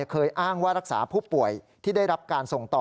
เคยอ้างว่ารักษาผู้ป่วยที่ได้รับการส่งต่อ